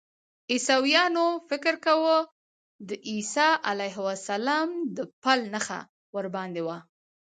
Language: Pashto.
عیسویانو فکر کاوه د عیسی علیه السلام د پل نښه ورباندې وه.